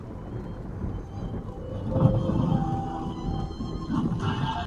دنیا کے غریبوں کو چاہیے کہ اپنی نفرت کو